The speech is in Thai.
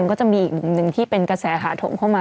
ก็จะมีอีกมุมหนึ่งที่เป็นกระแสขาถมเข้ามา